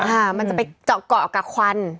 มันจะเกาะเอาออกกับควัน